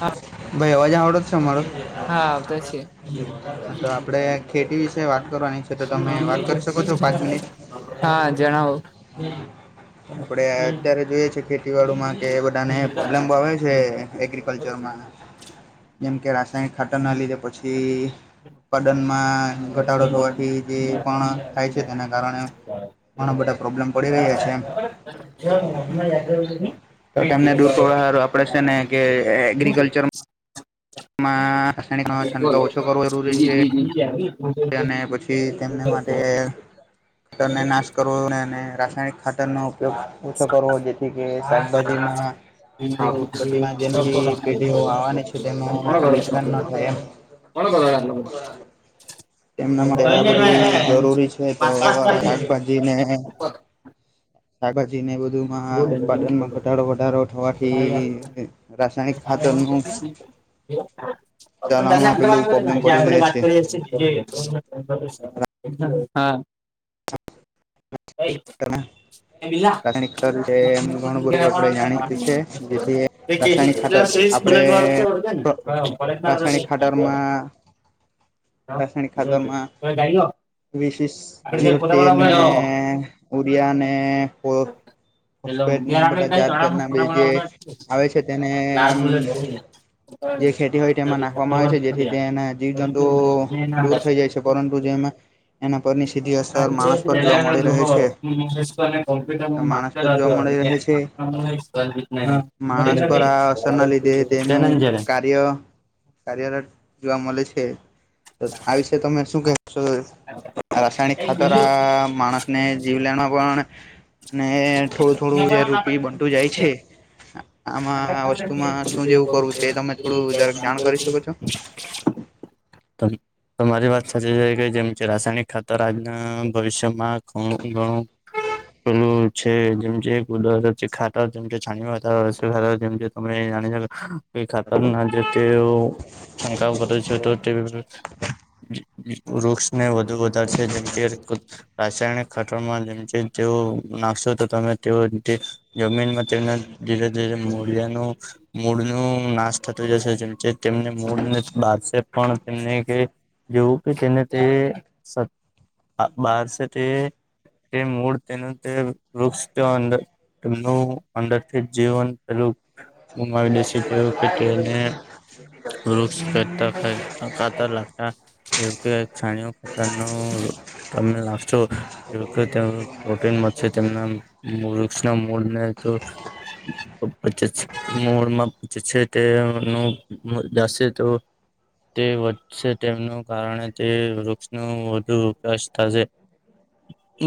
હા ભાઈ અવાજ આવડો જ છે મારો હા આવતા છે. તો આપડે ખેતી વિશે વાત કરવાની છે. તો તમે વાત કરી શકો છો પાંચ મિનિટ. હા જણાવો. આપડે અત્યારે જોઈએ છે ખેતીવાડી માં કે એ બધાને પ્રોબ્લેમ આવે છે એગ્રીકલ્ચર માં જેમ કે રાસાયણિક ખાતર ના લીધે પછી ઉત્પાદનમાં ઘટાડો થવાથી જે પણ થાય છે તેના કારણે ઘણા બધા પ્રોબ્લેમ પડી રહ્યા છે. તો તમને કરવા હારુ આપડે છે ને કે એગ્રીકલ્ચરમાં માં રાસાયણિક નો છંટકાવ ઓછો કરવો જરૂરી છે. [inaudible] અને પછી તેમને માટે તને નાશ કરવો અને રાસાયણિક ખાતર નો ઉપયોગ ઓછો કરવો જેથી કે શાકભાજીમાં તે ઉત્પત્તિમાં જેમથી પેઢીઓ આવવાની છે તેમાં નુકસાન ન થાય એમ [inaudible] કોણ [unintelligible] તેમના માટે આ બધું જરૂરી છે તો પાંચ પાંચ થઈ રહ્યો શાકભાજીને શાકભાજીને એ બધું વધુમાં ઉત્પાદનમાં ઘટાડો વધારો થવાથી રાસાયણિક આજે ખાતરનું ચલણમાં પેલું પ્રોબ્લેમ પડી રહ્યા છે [inaudible] હા. [inaudible] [unintelligible] એ ઘણું બધું આપણે જાણીતું છે જેથી રાસાયણિક ખાતર કેટલા સીરીઝ બુલેટ વાળું છે આપણેે ઓળખે ને કોલેજ ના રાસાયણિક નથી ખાતરમાં રાસાયણિક ખાતામાં ગાડીઓ વીસીસ આપણે જીરો ફોટા તેલ બનાવવા ને ને [unintelligible] ને [inaudible] હોસ્પેટને યાર એમ આપણે બધા કઈ તળાવ જાતજાત ના ફોટા બી જે બનાવવા આવે છે તેને લાલ હમ્મ. બુલેટ હોય જે ખેતી હોય તેમાં નાખવામાં આવે છે જેથી તેના જીવ ને તો જંતુઓ દૂર થઈ જાય છે પરંતુ જેમાં એના પરની સીધી અસર માણસ પર જોવા મળી રહે છે [unintelligible] માણસ પર જોવા મળી માસ્ટર રહે છે હતો માણસ પર આ અને અસરના લીધે તેનું [unintelligible] કાર્ય કાર્યરત જોવા મલે છે. તો આ વિષ તમે શું કહો છો? રાસાયણિક ખાતર આ માણસને જીવલેણ પણ ને થોડું થોડું જે રૂપી બનતું જાય છે. આમાં આ વસ્તુમાં શું એવું કરવું છે, એ તમે થોડું વધારે જાણ કરી શકો છો? તમારી વાત સાચી છે કે, જેમ કે રાસાયણિક ખાતર આજના ભવિષ્યમાં અમુક ગણુ. [unintelligible] પેલું છે, જેમ ગુટખા, જેમ તમે જાણી. કોઈ ખાતર ના જેતેવો છંડકાાવ કરે છે, તો તે વૃક્ષને વધુ વધારે છે, જેમ કે રાસાયણિક ખાતરમાં જેમ તેઓ નાખશો, તો તમે તેઓ જમીનમાં તેમને ધીરે ધીરે મૂલ્યનું મૂળ નું નાશ થતું જશે, જેમકે તેમને મૂળ ને બારસે. પણ તેમને કે, જેવું કે તેને તે આ [unintelligible] તે મૂળ તેનું તે વૃક્ષનું અંદરથી જીવન. રૂખ મંગાવી દે છે તે ખે તેને [unintelligible] કરતા [unintelligible] કાતર લાગતા એ કે, છાયો ખાતર નો તમે લાગશો. જો પ્રોટીનમાં છે, તેમના વૃક્ષના મૂળને તો પ્ [inaudible] મોળમાં પચ છે તે જાશે તો. તે વધશે, તેમનું કારણે તે વૃક્ષનો વધુ વિકાસ થાશે.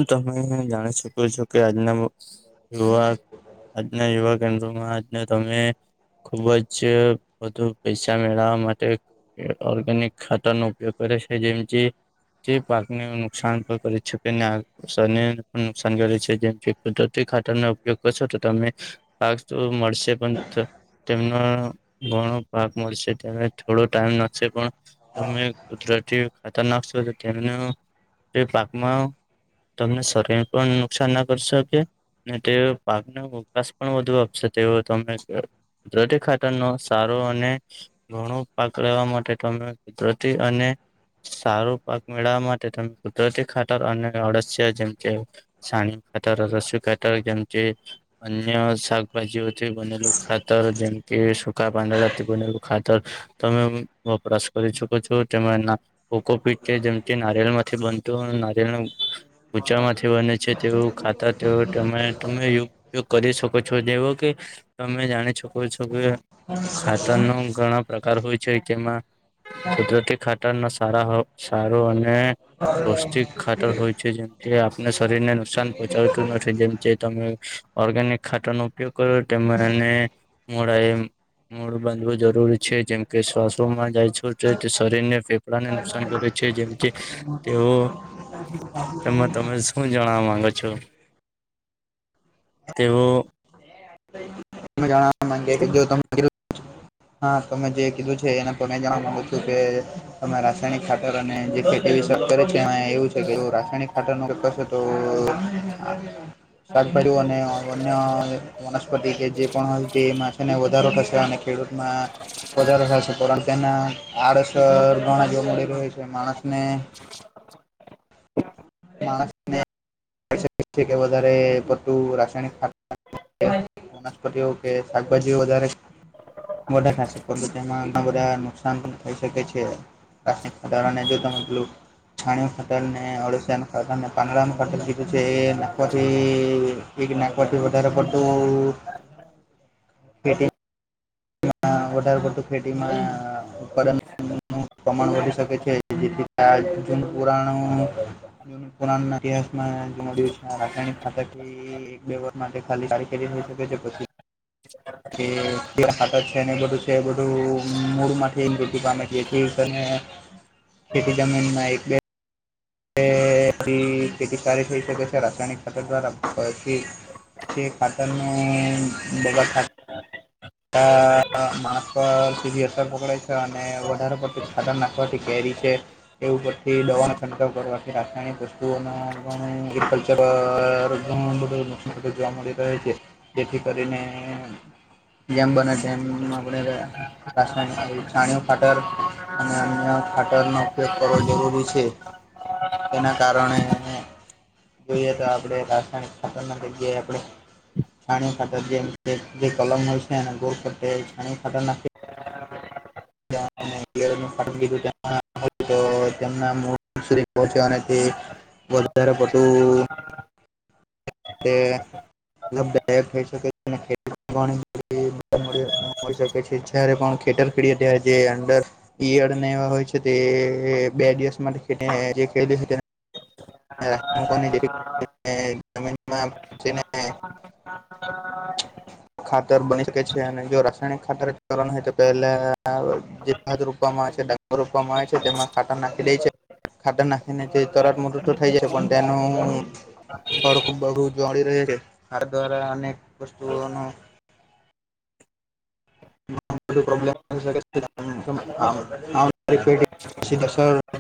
તમે જાણી શકો છો? કે આજના યુવા આજના યુવક તમે ખુબ જ વધુ પૈસા મેળવવા માટે. ઓર્ગેનિક ખાતા નો ઉપયોગ કરે છે, જેમ જે જે પાકને નુકસાન પણ કરી શકે ને, આ પણ નુકસાન કરે છે, જેમ કે કુદરતી ખાતર ઉપયોગ કરશો તો તમે. પાસ્તો મળશે, પણ તેમનો ઘણો પાક મળશે, તને થોડો ટમ નાખશે, પણ તમે કુદરતી ખાતર નાખશો, તેમને એ પાકમાં તમને શરીર પણ નુકસાન ના કરી શકે. છેતે પાકનો વિકશ પણ વધુ આપશે, તેવ તમે. કુદરતી ખાતરનો સારો અને ઘણો પાક લેવા માટે, તમે કુદરતી અને સારું પાક મેળવવા માટે, તમે કુદરતી ખાતર અને અડસ્ય જેમ કે સાણી ખતર રસી ખતર જેમ ચે. અન્ય શાકભાજી હોવાથી બનેલું ખાતર, જેમ કે શ સુખા પાંંદડારાથી બનેલું ખાતર. તમે વપરાશ કરી ચકો છો? તમે એના કોકોપીટ છે, જેમ ચે નારિયેમાંથી બનતું નારિયેનું ઉચા માંથી બને છે, તેવું ખાતર તમે તે તમે ઉપયોગ કરી શકો છો, જેવો કે તમે જાણી છકો છો કે. ખાતર નો ઘણા પ્રકાર હોય છે, કેમાં કુદરતી ખાતર ગટર સારા સારો અને પૌષ્ટિક ખાતર હોય છે, જેમ એ આપને શરીર ને નુકસાન પહોંચાડતું નથી, જેમ ચે તમે ઓર્ગેનિક ખાટરનું ઉપયોગ કરો, તેમ મને મોડાએ મોડુ બાંધવું જરૂરી. છે, જેમ કે શ્વાસરૂમાં જાય, તે શરીરને ફેફડાને નુકસાન કરે છે, જેમ ચે બ [unintelligible] તેમાં તમે શું જાણવા માંગો છો? તેવ ત જણવા માંગી કે જો તમે [unintelligible] હા તમે જે કીધું છે એને પણ જાણવા માંગુ છું કે અમે રાસાયણિક [inaudible] ખાતર અને જેે વિ કરે છે અ એવું છે કે રાસાયણિક ખાતરનું તો આ શાકબાજુઓ અને અન્ય વનસ્પતિ કે જે પણ હોય તે એમાં છે ને વધારો થશે અને ખેડૂત [inaudible] બજારના આસ [unintelligible] મોડા જોવા મળી રહ્યો છે માણસ ને માણસને [unintelligible] કે વધારે પતું રાસાયણિક ખા વનસ્પતિઓ [inaudible] કે શાકભાજીઓ વધારે મોડા ખાસ પર તેમાં ઘણા બધા નુકસાન પણ થઈ શકે છે ટને જો તમે પેલું છાણયુ ખાતર અને અડસિયાનું સાધમેને પાંગડામાં ખાતર કીધું છે નાખવાથી [unintelligible] નાખવાથી વધારે પડતું વધારે પડતું ફેટી [unintelligible] પ્રમાણ વધી શકે છે જેથી [unintelligible] પુરાણું પુરાણ ઇતિહાસમાં જો મડયુ છે રાસાયણિક ખાતરથી એક બે વર્ષ માટે ખાલી કારી થઈ શકે છે પછી કે હા છે [inaudible] બધું છે બધું મૂળ માથી વુદ્ધી પામે [unintelligible] ખેતી જમીનમાં એક બે [inaudible] ખેતી કાર્ય થઈ છે રાસાયણિક ખાતર દ્વારાથી પછી [inaudible] ખાતર નું બગા ખાત આ માણસ [inaudible] પર સીધી અસર પકડે છે અને વધારે પડતી ખાતર નાખવાથી કેરી છે એવું પછી દવા છંકાવ કરવાથી રાસાયણિક વસ્તુઓનો વિકલ્પ અ બધું નુકસાન જોવા મળી રહે છે. જેથી કરીને જેમ બને જેમમાં આપણે રાસાયણ છાણીઉ ફાટર. અને અન્ય ખાતર નો ઉપયોગ કરવો જરૂરી છે. તેના કારણે અને જોઈએ તો આપડણે રાસાયણિક ખાતર ના જગ્યાએ આપણે. છાણી ખાતર જેમ જે કલમ હોય છે. એ ગોર કર છાણી ખાતર નાખ [unintelligible] [unintelligible] [unintelligible] હોઈ શકે છે. જયારે પણ ખેતર ખેડી તે જે અંદર યરને એવા હોય છે. તે બે દિવસ માટે જે ખે છે. રા મકવાની જે જમીનમાં. હા! ખાતર બની શકે છે. અને જો રાસાયણિક ખાતર ચલન હોય તો પહેલા. જે ભાત રોપવામાં આવે છે. ડાંગર રોપવામાં આવે છે. તેમાં ખાટર નાખી દે છે. ખાતર નાખીને તે તરત મૃત્યુ થાય જશે. પણ તેનું ખડકું બું જોળી રહે છે. આ દ્વારા અનેક વસ્તુઓનું [unintelligible]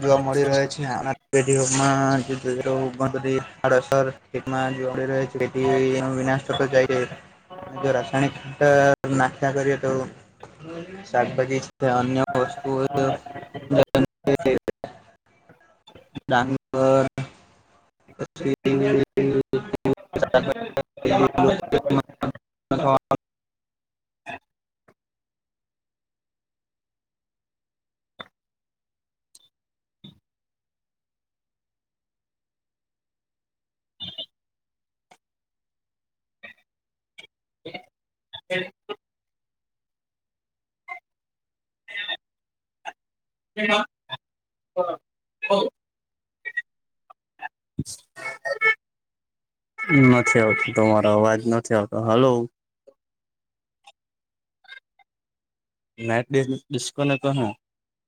જોવા મળી રહે છે. અને પેગમાં જુ આડઅસરમાં જોવા મળી રહે છે. જેથી વિનાશક જાય. જે રાસાયણિક ખાતાર નાખ્યા કરી. શાકભાજી છે અન્ય વસ્તુ [inaudible] [unintelligible] [unintelligible] [unintelligible] કેના નથી આવતો તમારો અવાજ નથી આવતો. હલો નેટ ડિસ કનેક્ટ હા નો.